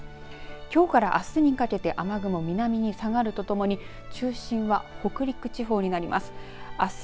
きょうからあすにかけて雨雲、南に下がるとともに中心は、北陸地方になります。